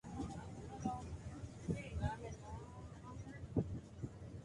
Por este trabajo Aranda solo recibió veinticinco copias del disco.